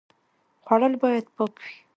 خوړل باید پاک وي